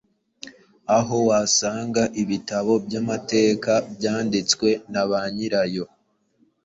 aho wasanga ibitabo by’amateka byanditswe na ba nyirayo,